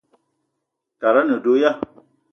Tara a ne do ya?